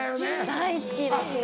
大好きですね。